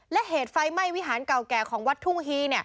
และเหตุไฟไหม้วิหารเก่าแก่ของวัดทุ่งฮี